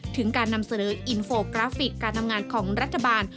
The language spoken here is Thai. ถึงการนำเสนออินโฟกราฟิกการทำงานของรัฐบาล